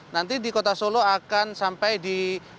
nanti di kota solo akan sampai di